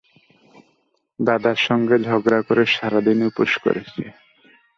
দাদার সঙ্গে ঝগড়া করে সারাদিন উপোস করেছে।